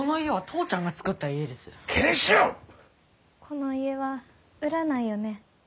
この家は売らないよね？